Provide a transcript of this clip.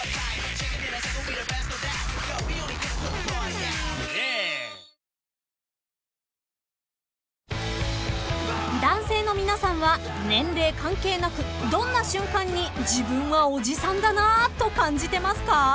ニトリ［男性の皆さんは年齢関係なくどんな瞬間に自分はおじさんだなと感じてますか？］